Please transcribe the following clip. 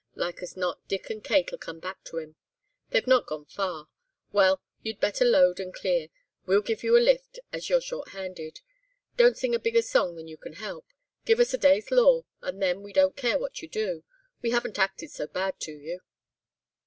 Like as not Dick and Kate'll come back to him. They've not gone far. Well, you'd better load, and clear—we'll give you a lift, as you're short handed. Don't sing a bigger song than you can help. Give us a day's law, and then we don't care what you do. We haven't acted so bad to you.